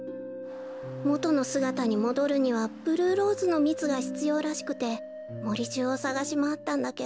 もとのすがたにもどるにはブルーローズのみつがひつようらしくてもりじゅうをさがしまわったんだけど。